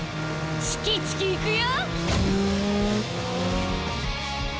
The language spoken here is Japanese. チキチキいくよ！